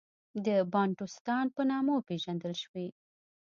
د بانټوستان په نامه وپېژندل شوې.